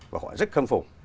và họ rất khâm phục